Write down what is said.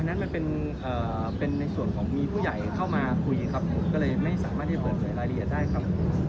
นั้นมันเป็นในส่วนของมีผู้ใหญ่เข้ามาคุยครับผมก็เลยไม่สามารถที่เปิดเผยรายละเอียดได้ครับ